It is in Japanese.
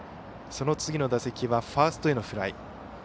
その次の打席はファーストへのフライ。